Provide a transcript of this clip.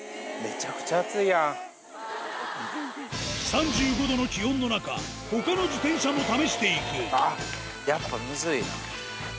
３５度の気温の中他の自転車も試していくあっやっぱムズいな。